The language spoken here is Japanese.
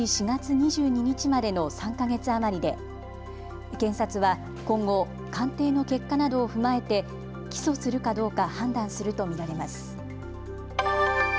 ４月２２日までの３か月余りで検察は今後、鑑定の結果などを踏まえて起訴するかどうか判断すると見られます。